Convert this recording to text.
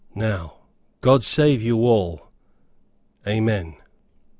Now God save you all. Amen."